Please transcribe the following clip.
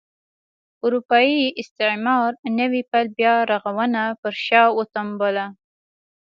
اروپايي استعمار نوي پیل بیا رغونه پر شا وتمبوله.